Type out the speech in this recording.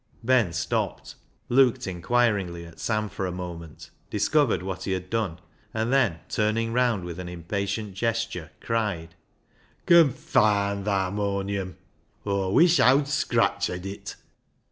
Ben stopped, looked inquiringly at Sam for a moment, discovered what he had done, and then, turning round with an impatient gesture, cried —" Confaand th' harmonion ! Aw wuish Owd Scratch hed it."